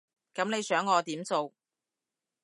噉你想我點做？